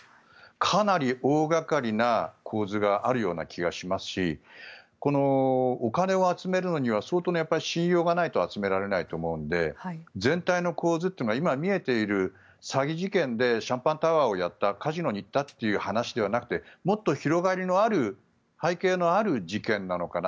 かなり大掛かりな構図があるような気がしますしこのお金を集めるのには相当な信用がないと集められないと思うので全体の構図というのは今、見えている詐欺事件でシャンパンタワーをやったカジノに行ったという話ではなくてもっと広がりのある背景のある事件なのかな。